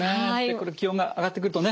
これ気温が上がってくるとね